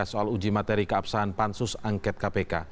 soal uji materi keabsahan pansus angket kpk